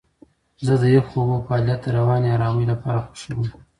زه د یخو اوبو فعالیت د رواني آرامۍ لپاره خوښوم.